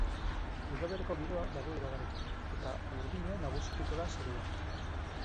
Udaberriko giroa dago iragarrita, eta urdina nagusituko da zeruan.